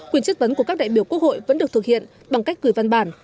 quyền chất vấn của các đại biểu quốc hội vẫn được thực hiện bằng cách gửi văn bản